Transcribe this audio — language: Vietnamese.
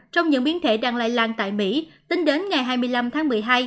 trong những biến thể đang lây lan tại mỹ tính đến ngày hai mươi năm tháng một mươi hai